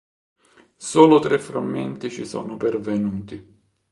Solo tre frammenti ci sono pervenuti.